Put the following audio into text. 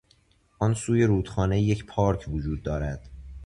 آن سوی رودخانه یک پارک وجود دارد.